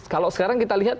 kalau sekarang kita lihat